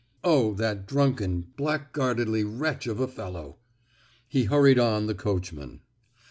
Oh! that drunken, blackguardly wretch of a fellow!" He hurried on the coachman.